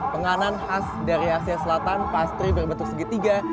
penganan khas dari asia selatan pastri berbentuk segitiga